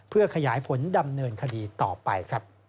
เพื่อขยายผลดำเนินคดีต่อไป